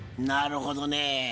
なるほどね。